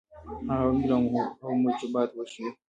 هغه عوامل او موجبات وښيیو.